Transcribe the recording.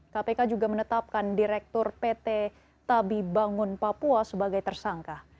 kpk juga menetapkan direktur pt tabi bangun papua sebagai tersangka